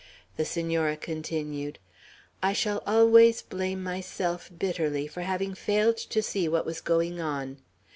The Senora continued: "I shall always blame myself bitterly for having failed to see what was going on.